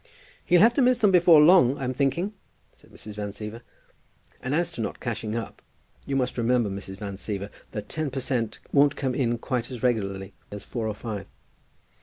"He'll have to miss them before long, I'm thinking," said Mrs. Van Siever. "And as to not cashing up, you must remember, Mrs. Van Siever, that ten per cent. won't come in quite as regularly as four or five.